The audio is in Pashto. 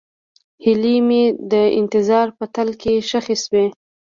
هیلې مې د انتظار په تل کې ښخې شوې.